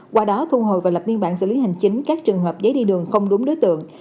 qua đó thu hồi và lập biên bản xử lý hành chính các trường hợp giấy đi đường không đúng đối tượng